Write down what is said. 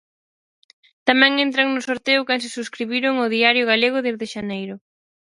Tamén entran no sorteo quen se subscribiron a O Diario Galego desde xaneiro.